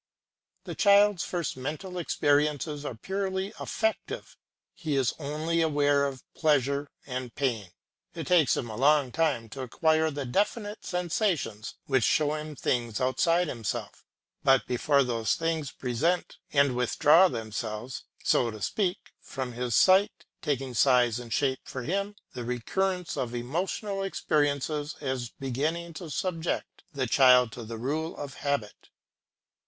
The child's first mental experiences are purely affective, he is only aware of pleasure and pain; it takes him a long time to acquire the definite sensations which show him things outside himself, but before these things present and withdraw themselves, so to speak, from his sight, taking size and shape for him, the recurrence of emotional experiences is beginning to subject the child to the rule of habit.